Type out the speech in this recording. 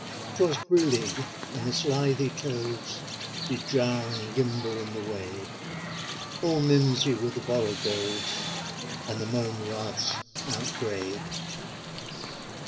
'Twas brillig, and the slithy toves Did gyre and gimble in the wabe ; All mimsy were the borogoves And the mome raths outgrabe.